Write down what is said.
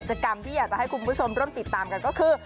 กิจกรรมที่อยากจะให้คุณผู้ชมร่วมติดตามกันก็คือ